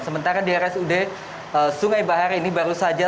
sementara di rsud sungai bahar ini baru saja